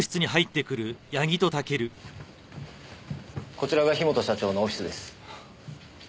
こちらが樋本社長のオフィスです。